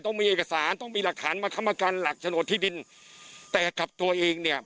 ต้องมีเอกสารต้องมีหลักฐานมาค้ำประกันหลักโฉนดที่ดินแต่กับตัวเองเนี่ย